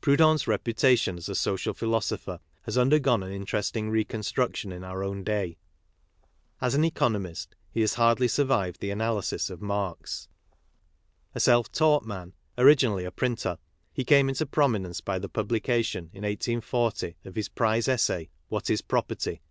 Proudhon's reputation as a social philosopher has undergone an interesting reconstruction in our own day.' As an economist he has hardly survived the analysis of Marx. A self taught man, originally a printer, he came into prominence by the publication, in 1840, of his prize essay. What is Property?